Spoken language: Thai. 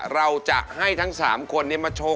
เราจะให้ทั้ง๓คนมาโชว์ความสามารถพิเศษ